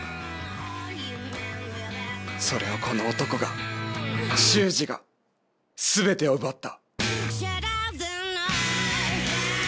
それをこの男が秀司が全てを奪った。